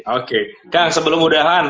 oke kak sebelum mudahan